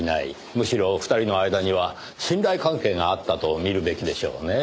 むしろ２人の間には信頼関係があったと見るべきでしょうねぇ。